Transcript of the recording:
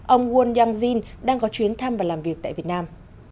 ông won yang jin đang có chuyến thăm và làm việc tại việt nam